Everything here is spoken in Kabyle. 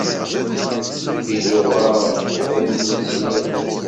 Izuɣar, ɣummen s yirden.